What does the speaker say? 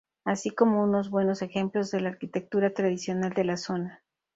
Así como unos buenos ejemplos de la arquitectura tradicional de la zona.